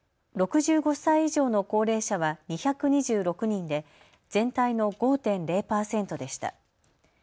６５歳以上の高齢者は２２６人で全体の５．０％でした。